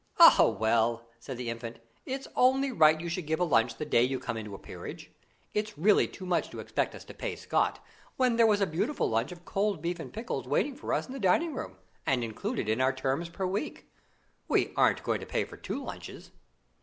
"Oh, well," said the Infant, "it's only right you should give a lunch the day you come into a peerage. It's really too much to expect us to pay scot, when there was a beautiful lunch of cold beef and pickles waiting for us in the dining room, and included in our terms per week. We aren't going to pay for two lunches."